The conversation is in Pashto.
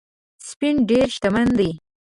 سپین ډېر شتمن دی